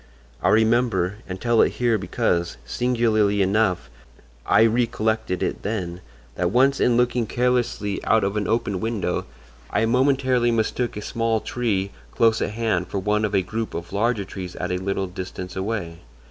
I remember—and tell it here because, singularly enough, I recollected it then—that once in looking carelessly out of an open window I momentarily mistook a small tree close at hand for one of a group of larger trees at a little distance away.